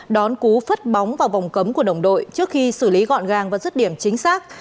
đón cú phất bóng vào vòng cấm của đồng đội trước khi xử lý gọn gàng và dứt điểm chính xác